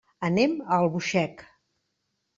Anem a Albuixec.